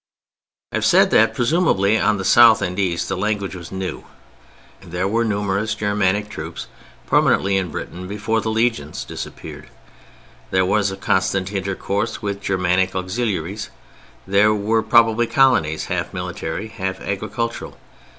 I have said that presumably on the South and East the language was new. There were numerous Germanic troops permanently in Britain before the legions disappeared, there was a constant intercourse with Germanic auxiliaries: there were probably colonies, half military, half agricultural.